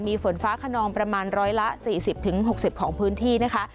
มีฝนฟ้าขนองประมาณ๑๔๐๖๐ของพื้นที่นะคะ